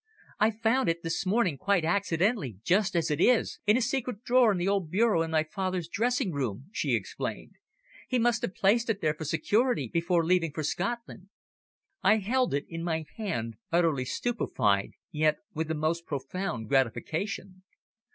"I found it this morning quite accidentally, just as it is, in a secret drawer in the old bureau in my father's dressing room," she explained. "He must have placed it there for security before leaving for Scotland." I held it in my hand utterly stupefied, yet with the most profound gratification.